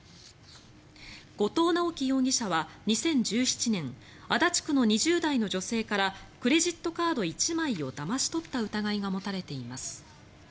後藤直樹容疑者は２０１７年足立区の２０代の女性からクレジットカード１枚をだまし取った疑いが持たれています。